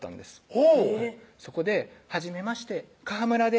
ほうそこで「はじめまして川村です」